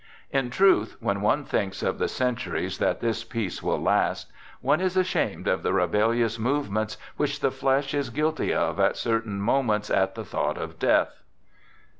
In truth, when one thinks of the centuries that this peace will last, one is ashamed of the rebellious movements which i the flesh is guilty of at certain moments at the thought of death.